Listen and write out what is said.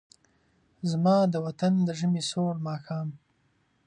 زما د وطن د ژمې سوړ ماښام